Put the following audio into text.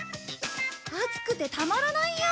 暑くてたまらないよ！